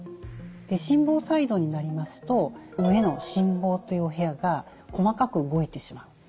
心房細動になりますと上の心房というお部屋が細かく動いてしまう。